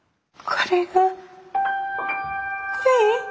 これが恋？